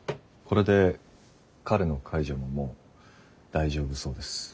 これで彼の介助ももう大丈夫そうです。